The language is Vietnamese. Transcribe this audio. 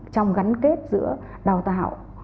trong gắn kết giữa đào tạo